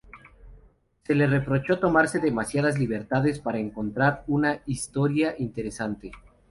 Se le reprochó tomarse demasiadas libertades para contar una historia interesante.